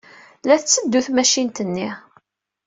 La d-tetteddu tmacint-nni.